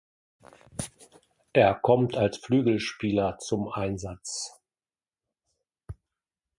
Er kommt als Flügelspieler zum Einsatz.